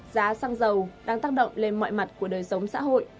giá xăng dầu đang tác động lên mọi mặt của đời sống xã hội